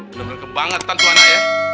bener bener kebangetan tuh anak ya